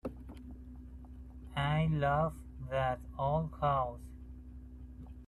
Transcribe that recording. I love that old house.